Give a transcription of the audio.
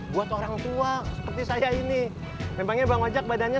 buat orangtua seperti saya ini memangnya bang ojek badannya